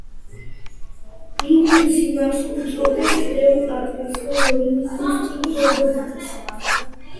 ლივიუსი მას უწოდებს კლეოპატრას, ხოლო იუსტინე ევრიდიკეს.